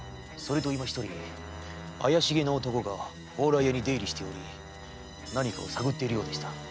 それといま一人怪しげな男が蓬莱屋に出入りしており何かを探っているようでした。